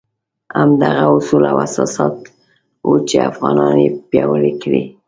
همدغه اصول او اساسات وو چې افغانان یې پیاوړي کړي.